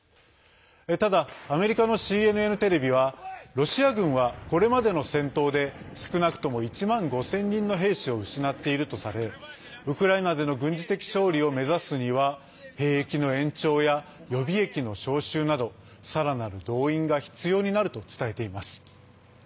ただ、アメリカのＣＮＮテレビはロシア軍は、これまでの戦闘で少なくとも１万５０００人の兵士を失っているとされウクライナでの軍事的勝利を目指すには兵役の延長や予備役の招集などさらなる動員が必要になると伝えています。